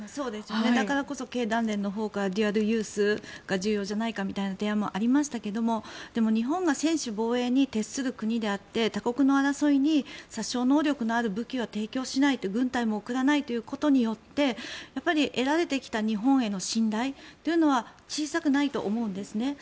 だからこそ経団連からデュアルユースが重要じゃないかという提案がありましたが日本が防衛に徹する国であって他国の争いに殺傷能力のある武器は提供しないと軍隊も送らないということによって得られてきた日本への信頼は小さくないと思うんですね。